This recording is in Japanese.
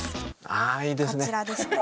ああいいですね。